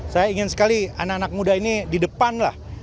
saya ingin sekali anak anak muda ini di depan lah